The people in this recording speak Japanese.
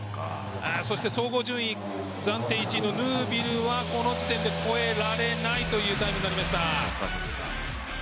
そして総合順位暫定１位のヌービルはこの時点で超えられないというタイムになりました。